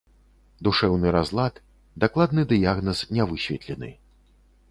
Душэўны разлад, дакладны дыягназ не высветлены.